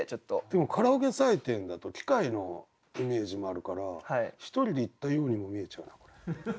でもカラオケ採点だと機械のイメージもあるから１人で行ったようにも見えちゃう。